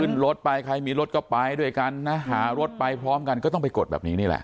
รถไปใครมีรถก็ไปด้วยกันนะหารถไปพร้อมกันก็ต้องไปกดแบบนี้นี่แหละ